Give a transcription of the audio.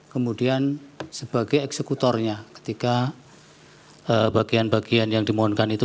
kemudian sebagai eksekutornya ketika bagian bagian yang dimohonkan itu